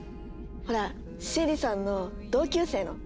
ほらシエリさんの同級生の。